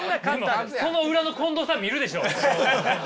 その裏の近藤さん見るでしょう多分。